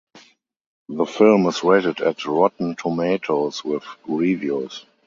The film is rated at Rotten Tomatoes with reviews.